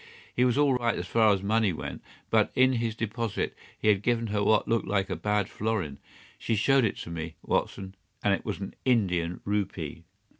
He was all right, as far as money went, but in his deposit he had given her what looked like a bad florin. She showed it to me, Watson, and it was an Indian rupee.